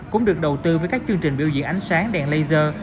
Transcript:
cũng được đầu tư với các chương trình biểu diễn ánh sáng đèn laser